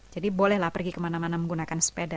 jadi bolehlah pergi kemana mana menggunakan sepeda